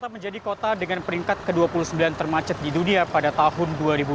kota menjadi kota dengan peringkat ke dua puluh sembilan termacet di dunia pada tahun dua ribu dua puluh